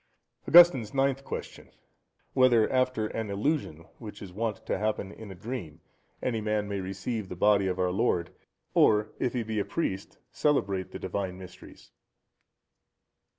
Augustine's Ninth Question.—Whether after an illusion, such as is wont to happen in a dream, any man may receive the Body of our Lord, or if he be a priest, celebrate the Divine Mysteries?